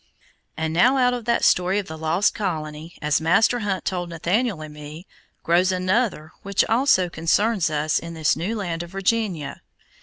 And now out of that story of the lost colony, as Master Hunt told Nathaniel and me, grows another which also concerns us in this new land of Virginia.